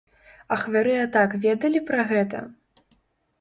Ахвяры атак ведалі пра гэта?